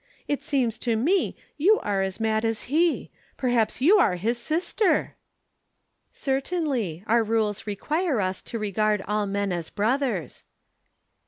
It seems to me you are as mad as he. Perhaps you are his sister." "Certainly. Our rules require us to regard all men as brothers."